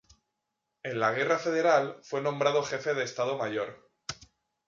En la guerra federal, fue nombrado jefe de Estado Mayor.